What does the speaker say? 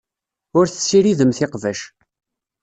Ur tessiridemt iqbac.